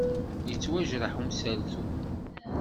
Yettwajreḥ umsaltu!